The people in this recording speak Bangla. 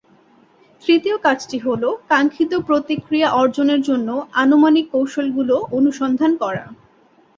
তৃতীয় কাজটি হ'ল কাঙ্ক্ষিত প্রতিক্রিয়া অর্জনের জন্য আনুমানিক কৌশলগুলি অনুসন্ধান করা।